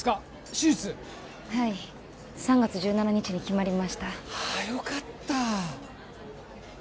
手術はい３月１７日に決まりましたああよかった